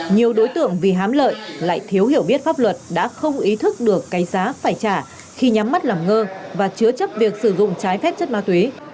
nhiều đối tượng vì hám lợi lại thiếu hiểu biết pháp luật đã không ý thức được cái giá phải trả khi nhắm mắt làm ngơ và chứa chấp việc sử dụng trái phép chất ma túy